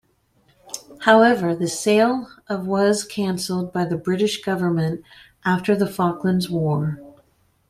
However, the sale of was cancelled by the British Government after the Falklands War.